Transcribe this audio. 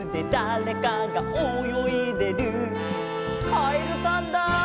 「カエルさんだ」